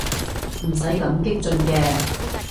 唔使咁激進嘅